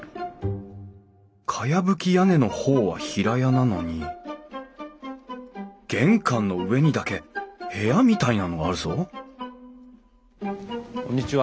かやぶき屋根の方は平屋なのに玄関の上にだけ部屋みたいなのがあるぞこんにちは。